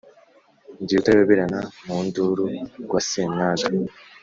Ndi Rutayoberana mu nduru rwa Semwaga,